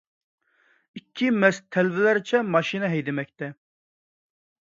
ئىككى مەست تەلۋىلەرچە ماشىنا ھەيدىمەكتە.